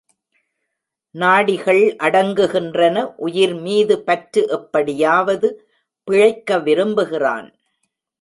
நாடிகள் அடங்குகின்றன உயிர்மீது பற்று எப்படியாவது பிழைக்க விரும்புகிறான்.